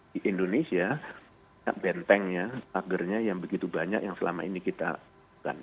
di indonesia bentengnya pagernya yang begitu banyak yang selama ini kita lakukan